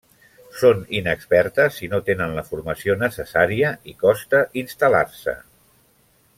Són inexpertes i no tenen la formació necessària, i costa instal·lar-se.